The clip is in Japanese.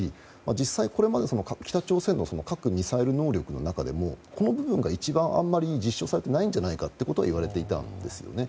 実際、これまでの北朝鮮の核・ミサイル能力の中でもこの部分があまり実証されていないんじゃないかということは言われていたんですね。